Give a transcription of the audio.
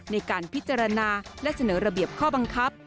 ในการพิจารณาและเสนอระเบียบข้อบังคับ